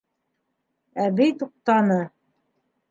Әбей туҡтаны.